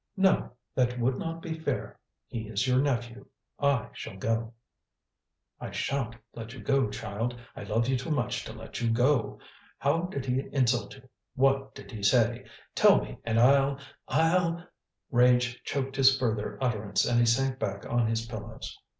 "No. That would not be fair. He is your nephew. I shall go." "I shan't let you go, child. I love you too much to let you go. How did he insult you what did he say? Tell me and I'll I'll " Rage choked his further utterance, and he sank back on his pillows.